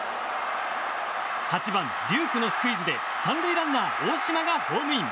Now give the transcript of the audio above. ８番、龍空のスクイズで３塁ランナー大島がホームイン。